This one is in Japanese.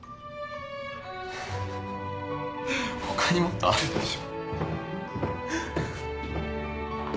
フフフ他にもっとあるでしょ。